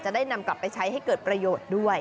และทำให้การประโยชน์ด้วย